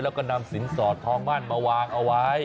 แล้วก็นำสินสอดทองมั่นมาวางเอาไว้